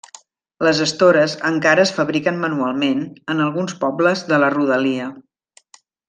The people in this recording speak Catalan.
Les estores encara es fabriquen manualment en alguns pobles de la rodalia.